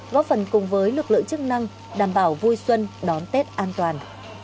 góp phần cùng với lực lượng chức năng đảm bảo vui xuân đón tết an toàn